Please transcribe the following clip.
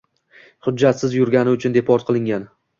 hujjatsiz yurgani uchun deport qilingan